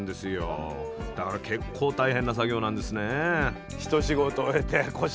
だから結構大変な作業なんですね。